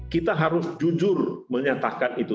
kita harus jujur menyatakan itu